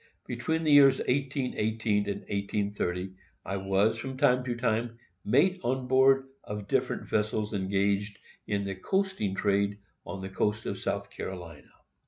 Between the years 1818 and 1830 I was, from time to time, mate on board of different vessels engaged in the coasting trade on the coast of South Carolina.